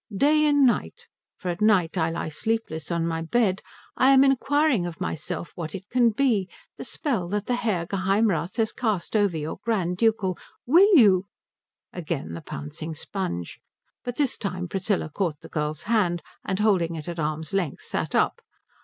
Day and night for at night I lie sleepless on my bed I am inquiring of myself what it can be, the spell that the Herr Geheimrath has cast over your Grand Ducal " "Will you " Again the pouncing sponge; but this time Priscilla caught the girl's hand, and holding it at arm's length sat up.